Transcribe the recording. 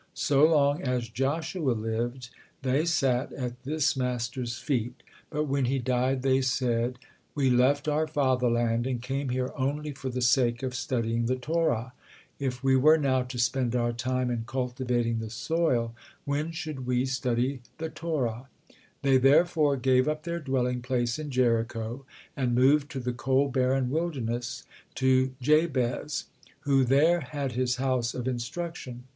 So long as Joshua lived, they sat at this master's feet, but when he died, they said: "We left our fatherland and came here only for the sake of studying the Torah; if we were now to spend our time in cultivating the soil, when should we study the Torah?" They therefore gave up their dwelling place in Jericho, and moved to the cold barren wilderness, to Jabez, who there had his house of instruction.